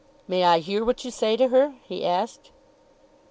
"May I hear what you say to her?" he asked.